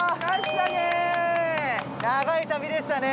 長い旅でしたね。